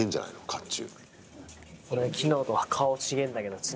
甲冑。